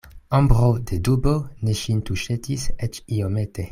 Ombro de dubo ne ŝin tuŝetis eĉ iomete.